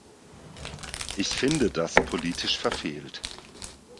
Ich finde das politisch verfehlt.